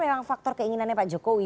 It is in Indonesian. memang faktor keinginannya pak jokowi